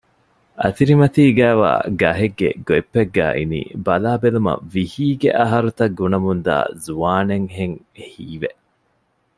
އަތިރިމަތީގައިވާ ގަހެއްގެ ގޮތްޕެއްގައި އިނީ ބަލާބެލުމަށް ވިހީގެ އަހަރުތައް ގުނަމުންދާ ޒުވާނެއްހެން ހީވެ